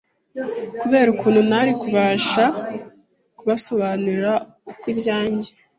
kubera ukuntu ntari kubasha kubasobanurira uko ibyange